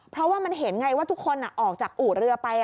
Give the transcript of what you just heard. เพราะว่ามันเห็นไงว่าทุกคนออกจากอู่เรือไป